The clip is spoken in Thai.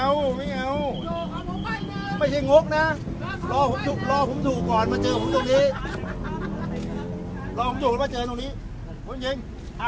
รอผมถูกก่อนมาเจอตรงนี้ไม่เป็นจริง